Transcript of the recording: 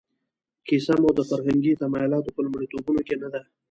کیسه مو د فرهنګي تمایلاتو په لومړیتوبونو کې نه ده.